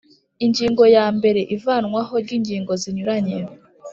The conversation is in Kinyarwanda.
Ingingo ya mbere Ivanwaho ry ingingo zinyuranye